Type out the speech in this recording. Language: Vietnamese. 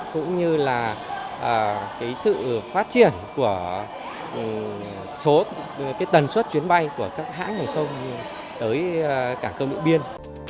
cũng như là cái sự phát triển của số cái tần suất chuyến bay của các hãng người không tới cảng không điện biên